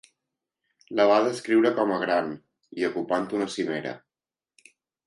La va descriure com a gran, i ocupant una cimera.